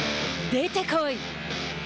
出てこい！